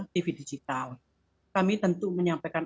tv digital kami tentu menyampaikan